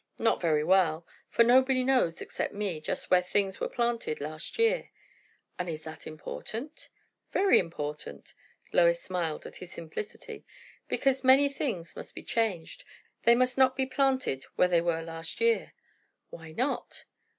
"Not very well; for nobody knows, except me, just where things were planted last year." "And is that important?" "Very important." Lois smiled at his simplicity. "Because many things must be changed. They must not be planted where they were last year." "Why not?"